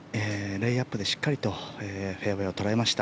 レイアップでしっかりとフェアウェーを捉えました。